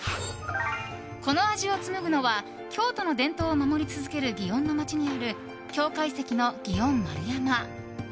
この味を紡ぐのは京都の伝統を守り続ける祇園の町にある京懐石の祇園丸山。